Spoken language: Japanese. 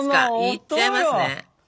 いっちゃいますね。